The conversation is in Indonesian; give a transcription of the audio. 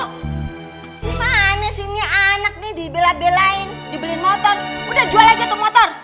gimana sih ini anak nih dibela belain dibeliin motor udah jual aja tuh motor